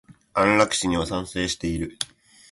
安楽死には賛成している。